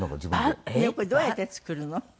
これどうやって作るの？